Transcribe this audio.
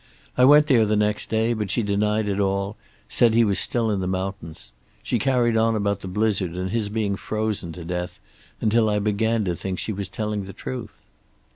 I went there the next day, but she denied it all, and said he was still in the mountains. She carried on about the blizzard and his being frozen to death, until I began to think she was telling the truth.